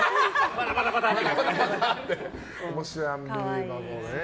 バタバタって。